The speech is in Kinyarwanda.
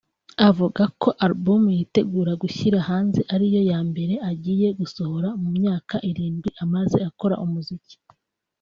avuga ko album yitegura gushyira hanze ariyo ya mbere agiye gusohora mu myaka irindwi amaze akora umuziki